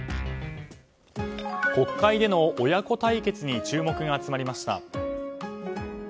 国会での親子対決に注目が集まりました。